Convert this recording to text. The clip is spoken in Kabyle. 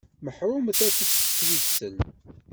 Meḥrumet ad tettwissel.